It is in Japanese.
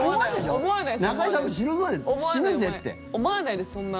思わないです。